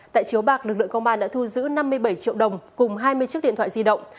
tại chiếu bạc lực lượng công an đã thu giữ năm mươi bảy triệu đồng cùng hai mươi chiếc điện thoại di động